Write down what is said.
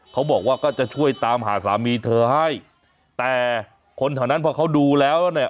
เขาบอกว่าก็จะช่วยตามหาสามีเธอให้แต่คนแถวนั้นพอเขาดูแล้วเนี่ย